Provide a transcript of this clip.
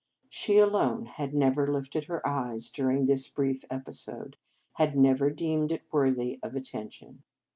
She alone had never lifted her eyes during this brief episode, had never deemed it worthy of attention.